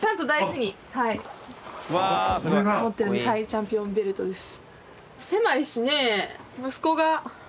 チャンピオンベルトです。